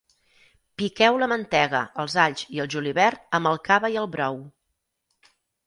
Piqueu la mantega, els alls i el julivert amb el cava i el brou.